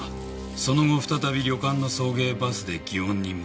その後再び旅館の送迎バスで園に戻り。